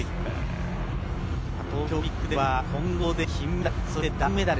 東京オリンピックでは、混合で金メダル。